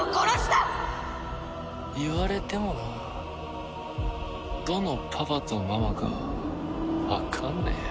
言われてもなあどのパパとママかわかんねえよ。